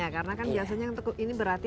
karena kan biasanya ini berarti